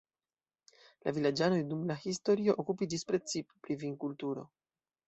La vilaĝanoj dum la historio okupiĝis precipe pri vinkulturo.